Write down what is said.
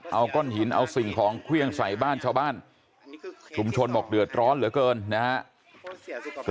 เอาก้อนหินเอาสิ่งของเครื่องใส่บ้านชาวบ้านชุมชนบอกเดือดร้อนเหลือเกินนะครับ